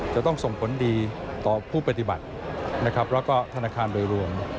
จะต้องส่งผลดีต่อผู้ปฏิบัตินะครับแล้วก็ธนาคารโดยรวม